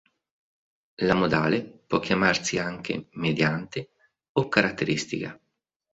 La modale può chiamarsi anche mediante o caratteristica.